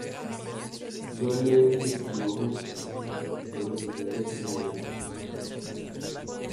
No leo ni escribo música, pero mis dedos se mueven.